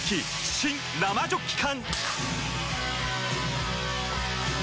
新・生ジョッキ缶！